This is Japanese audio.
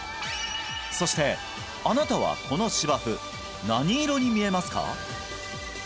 そしてあなたはこの芝生何色に見えますか？